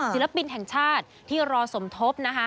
ศิลปินแห่งชาติที่รอสมทบนะคะ